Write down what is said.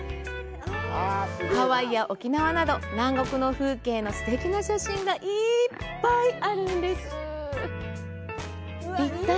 ハワイや沖縄など、南国の風景のすてきな写真がいっぱいあるんです。